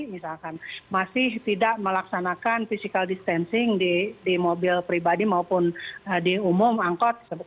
misalkan masih tidak melaksanakan physical distancing di mobil pribadi maupun di umum angkot